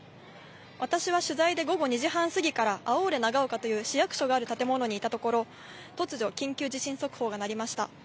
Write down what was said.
私は取材で午後２時半過ぎから、ながおかという、市役所がある建物にいたところ、突如、緊急地震速報が鳴りました。